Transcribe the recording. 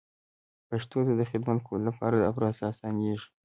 پښتو ته د خدمت کولو لپاره دا پروسه اسانېږي.